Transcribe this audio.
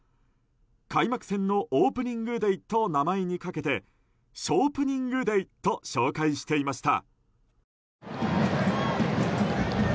開幕戦のオープニングデーと名前にかけてショープニングデーと紹介していました。